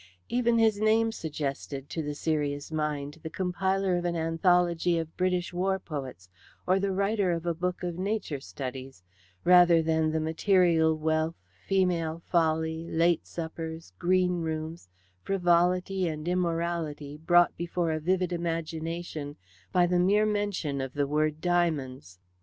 Even his name suggested, to the serious mind, the compiler of an anthology of British war poets or the writer of a book of Nature studies, rather than the material wealth, female folly, late suppers, greenrooms, frivolity and immorality brought before a vivid imagination by the mere mention of the word diamonds.